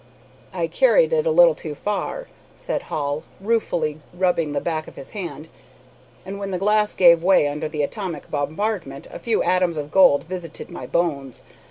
"I carried it a little too far," said Hall, ruefully rubbing the back of his hand, "and when the glass gave way under the atomic bombardment a few atoms of gold visited my bones.